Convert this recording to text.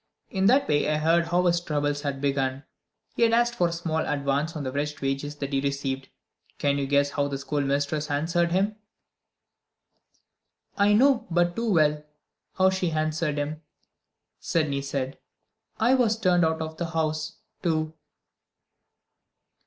In that way I heard how his troubles had begun. He had asked for a small advance on the wretched wages that he received. Can you guess how the schoolmistress answered him?" "I know but too well how she answered him," Sydney said; "I was turned out of the house, too."